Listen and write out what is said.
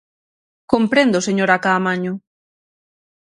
Comprendo, señora Caamaño.